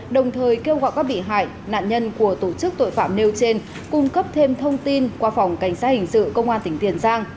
đồng thời kêu gọi các bị hại nạn nhân của tổ chức tội phạm nêu trên cung cấp thêm thông tin qua phòng cảnh sát hình sự công an tỉnh tiền giang